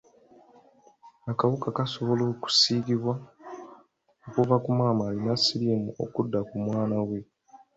Akawuka kasobola okusiigibwa okuva ku maama alina siriimu okudda ku mwana we.